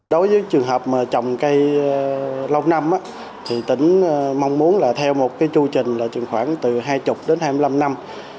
đối với trường hợp trồng cây lâu năm tỉnh mong muốn theo một chưu trình khoảng từ hai mươi đến hai mươi năm năm